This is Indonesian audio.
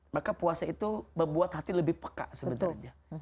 maka puasa itu membuat hati lebih peka sebenarnya